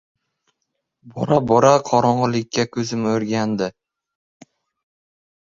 Bora-bora qorong‘ilikka ko‘zim o‘rgandi.